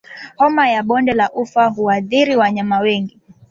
Homa ya bonde la ufa huathiri wanyama wengi